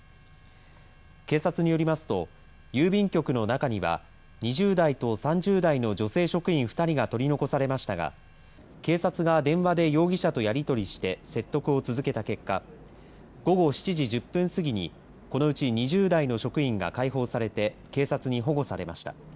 警察によりますと郵便局の中には２０代と３０代の女性職員２人が取り残されましたが警察が電話で容疑者とやり取りして説得を続けた結果午後７時１０分過ぎにこのうち２０代の職員が解放されて警察に保護されました。